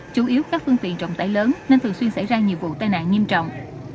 chủ yếu các phương tiện trọng tải lớn nên thường xuyên xảy ra nhiều vụ tai nạn nghiêm trọng